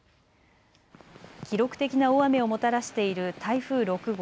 記録的な大雨をもたらしている台風６号。